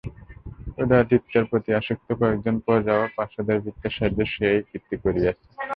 উদয়াদিত্যের প্রতি আসক্ত কয়েকজন প্রজা ও প্রাসাদের ভৃত্যের সাহায্যে সে-ই এই কীর্তি করিয়াছে।